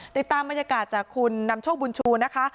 ติดตามบรรยากาศจากคุณนำโชคบุญชูนะคะ